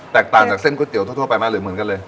ต่างจากเส้นก๋วเตี๋ยทั่วไปไหมหรือเหมือนกันเลย